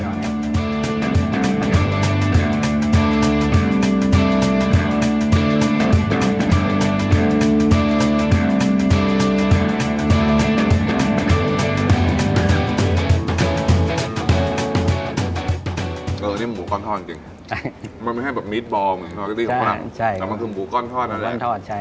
อันนี้หมูก้อนทอดจริงมันไม่แค่แบบมีทบอร์มสปาเก็ตตี้ของพวกนั้นแต่มันคือหมูก้อนทอดนั่นแหละ